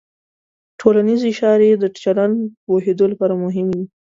ټولنیز اشارې د چلند پوهېدو لپاره مهمې دي.